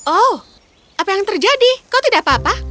oh apa yang terjadi kau tidak apa apa